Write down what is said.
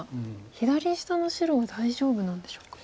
左下の白は大丈夫なんでしょうか。